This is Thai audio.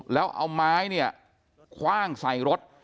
แล้วเอาไม้เนี่ยคว่างใส่รถ